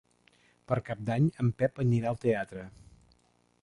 Per Cap d'Any en Pep anirà al teatre.